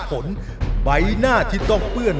ผลใบหน้าที่ต้องเปื้อน